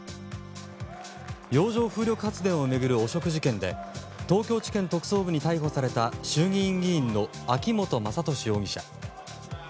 洋上風力発電を巡る汚職事件で東京地検特捜部に逮捕された衆議院議員の秋本真利容疑者。